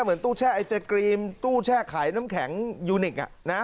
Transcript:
เหมือนตู้แช่ไอศกรีมตู้แช่ขายน้ำแข็งยูนิค